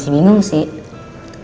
sebenernya gue juga masih bingung